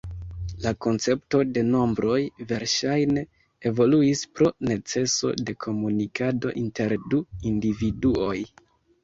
La koncepto de nombroj verŝajne evoluis pro neceso de komunikado inter du individuoj.